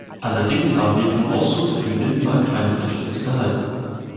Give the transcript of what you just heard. Allerdings haben wir vom Ausschuss für den Binnenmarkt keine Unterstützung erhalten.